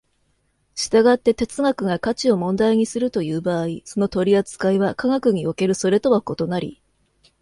従って哲学が価値を問題にするという場合、その取扱いは科学におけるそれとは異なり、